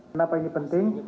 kenapa ini penting